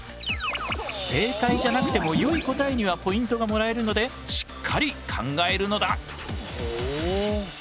正解じゃなくてもよい答えにはポイントがもらえるのでしっかり考えるのだ。